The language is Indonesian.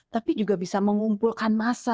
tapi juga bisa mengumpulkan massa